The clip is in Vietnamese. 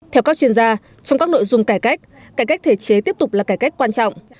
theo các chuyên gia trong các nội dung cải cách cải cách thể chế tiếp tục là cải cách quan trọng